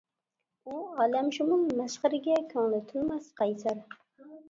ئۇ ئالەمشۇمۇل مەسخىرىگە كۆڭلى تىنماس قەيسەر.